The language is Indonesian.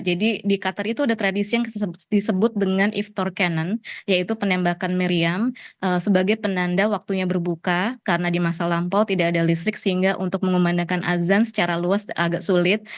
jadi di qatar itu ada tradisi yang disebut dengan iftar canon yaitu penembakan meriam sebagai penanda waktunya berbuka karena di masa lampau tidak ada listrik sehingga untuk mengumandakan azan secara luas agak sulit